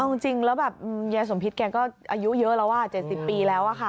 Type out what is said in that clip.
เอาจริงแล้วแบบยายสมพิษแกก็อายุเยอะแล้ว๗๐ปีแล้วค่ะ